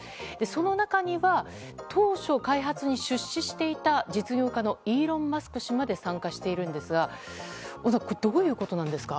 その中には、当初開発に出資していた実業家のイーロン・マスク氏まで参加しているんですが小野さんどういうことなんですか？